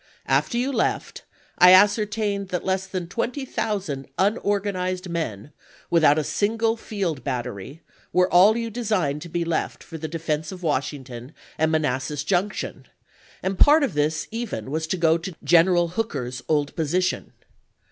After you left, I ascertained that less than twenty thousand unorganized men, without a single field bat tery, were all you designed to be left for the defense of Washington and Manassas Junction, and part of this even was to go to General Hooker's old position.